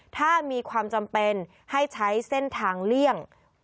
ถ้ามีความจำเป็นให้ใช้เส้นทางเลี่ยง